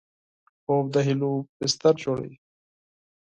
خوب د هیلو بستر جوړوي